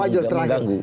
pak fajul terakhir